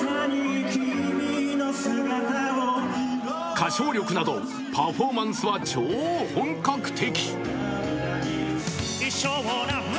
歌唱力などパフォーマンスは超本格的。